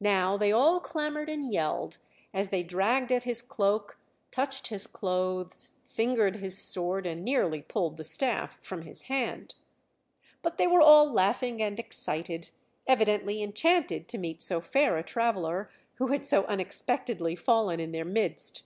Now they all clamoured and yelled as they dragged at his cloak, touched his clothes, fingered his sword, and nearly pulled the staff from his hand. But they were all laughing and excited, evidently enchanted to meet so fair a traveller who had so unexpectedly fallen in their midst.